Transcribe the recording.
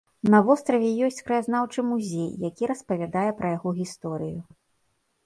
На востраве ёсць краязнаўчы музей, які распавядае пра яго гісторыю.